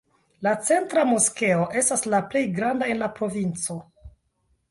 La centra moskeo estas la plej granda en la provinco.